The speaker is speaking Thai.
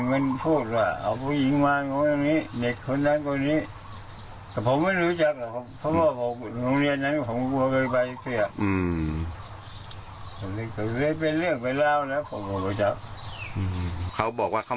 มันบอกว่ามันไม่ได้ทำ